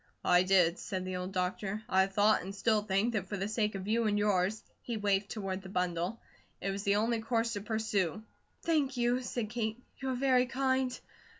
"I did," said the old doctor. "I thought, and still think, that for the sake of you and yours," he waved toward the bundle, "it was the only course to pursue." "Thank you," said Kate. "You're very kind.